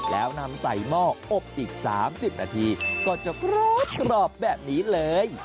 แล้วนำใส่หม้ออบอีก๓๐นาทีก็จะกรอบแบบนี้เลย